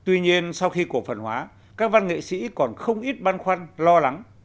tuy nhiên sau khi cổ phần hóa các văn nghệ sĩ còn không ít băn khoăn lo lắng